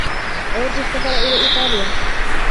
أود السفر إلى إيطاليا.